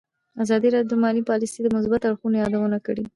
ازادي راډیو د مالي پالیسي د مثبتو اړخونو یادونه کړې.